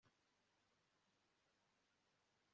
Numvise ko Bwana Collins yagusabye kumurongora